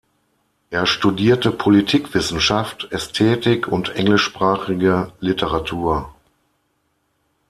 Er studierte Politikwissenschaft, Ästhetik und englischsprachige Literatur.